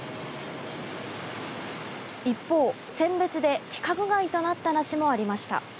一方、選別で規格外となった梨もありました。